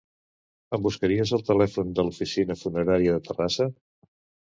Em buscaries el telèfon de l'oficina funerària de Terrassa?